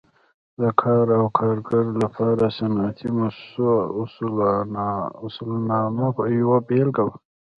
د کار او کارګر لپاره د صنعتي مؤسسو اصولنامه یوه بېلګه وه.